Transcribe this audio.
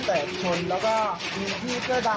ก็แค่มีเรื่องเดียวให้มันพอแค่นี้เถอะ